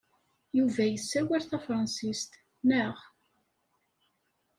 Yuba yessawal tafṛensist, naɣ?